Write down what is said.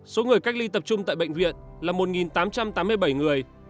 số người cách ly tập trung tại bệnh viện là một tám trăm tám mươi bảy người